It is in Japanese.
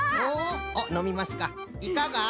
いかが？